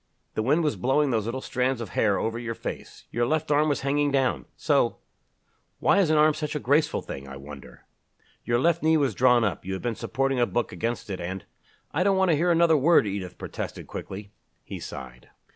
The wind was blowing those little strands of hair over your face. Your left arm was hanging down so; why is an arm such a graceful thing, I wonder? Your left knee was drawn up you had been supporting a book against it and " "I don't want to hear another word," Edith protested quickly. He sighed.